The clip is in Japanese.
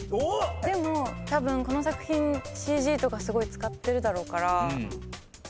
でもこの作品ＣＧとかすごい使ってるだろうから。